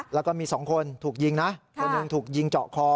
แล้วก็มีสองคนถูกยิงนะคนหนึ่งถูกยิงเจาะคอ